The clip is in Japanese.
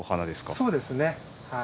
そうですねはい。